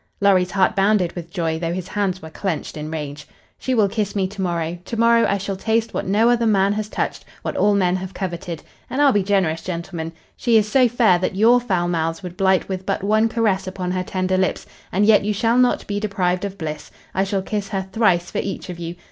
Lorry's heart bounded with joy, though his hands were clenched in rage. "She will kiss me to morrow. To morrow I shall taste what no other man has touched, what all men have coveted. And I'll be generous, gentlemen. She is so fair that your foul mouths would blight with but one caress upon her tender lips, and yet you shall not, be deprived of bliss. I shall kiss her thrice for each of you.